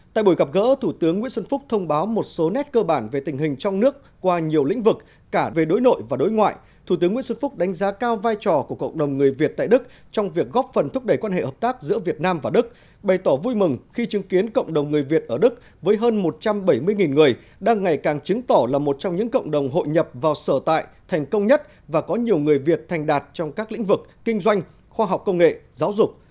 tại buổi gặp gỡ thủ tướng nguyễn xuân phúc thông báo một số nét cơ bản về tình hình trong nước qua nhiều lĩnh vực cả về đối nội và đối ngoại thủ tướng nguyễn xuân phúc đánh giá cao vai trò của cộng đồng người việt tại đức trong việc góp phần thúc đẩy quan hệ hợp tác giữa việt nam và đức bày tỏ vui mừng khi chứng kiến cộng đồng người việt ở đức với hơn một trăm bảy mươi người đang ngày càng chứng tỏ là một trong những cộng đồng hội nhập vào sở tại thành công nhất và có nhiều người việt thành đạt trong các lĩnh vực kinh doanh khoa học công nghệ giáo dục